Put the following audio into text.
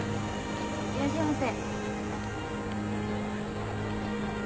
いらっしゃいませ。